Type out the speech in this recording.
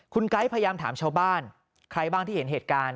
คุณไก๊พยายามถามชาวบ้านใครบ้างที่เห็นเหตุการณ์